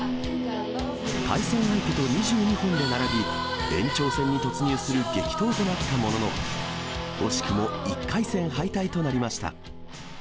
対戦相手と２２本で並び、延長戦に突入する激闘となったものの、惜しくも１回戦敗退となりました。